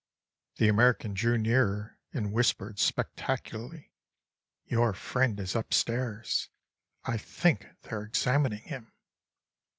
The American drew nearer and whispered spectacularly: "Your friend is upstairs. I think they're examining him."